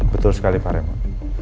betul sekali pak remope